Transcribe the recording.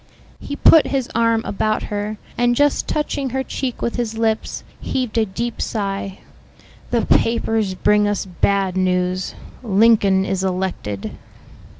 He put his arm about her, and just touching her cheek with his lips, heaved a deep sigh. "The papers bring us bad news. Lincoln is elected."